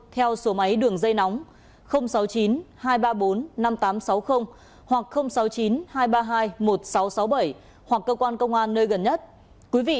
theo số máy đường dây nóng sáu mươi chín hai nghìn ba trăm bốn mươi năm tám trăm sáu mươi hoặc sáu mươi chín hai trăm ba mươi hai một nghìn sáu trăm sáu mươi bảy hoặc cơ quan công an nơi gần nhất quý vị